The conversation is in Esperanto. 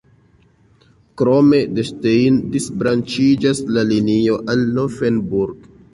Krome de Stein disbranĉiĝas la linio al Laufenburg.